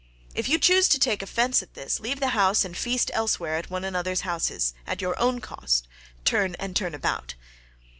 If you choose to take offence at this, leave the house and feast elsewhere at one another's houses at your own cost turn and turn about.